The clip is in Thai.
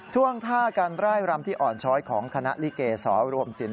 ่วงท่าการไล่รำที่อ่อนช้อยของคณะลิเกสอรวมสิน